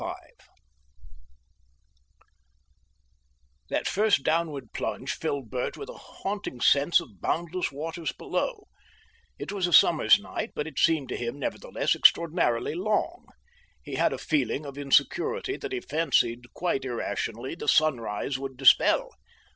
4 That first downward plunge filled Bert with a haunting sense of boundless waters below. It was a summer's night, but it seemed to him, nevertheless, extraordinarily long. He had a feeling of insecurity that he fancied quite irrationally the sunrise would dispel.